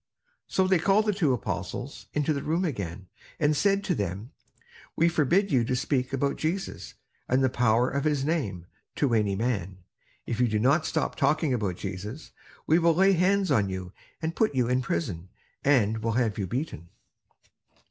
So they called the two apostles into the room again, and said to them: "We forbid you to speak about Jesus, and the power of his name, to any man. If you do not stop talking about Jesus, we will lay hands on you, and put you in prison, and will have you beaten."